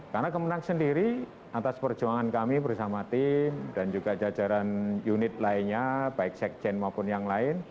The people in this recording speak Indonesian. karena kemenang sendiri atas perjuangan kami bersama tim dan juga jajaran unit lainnya baik sekjen maupun yang lain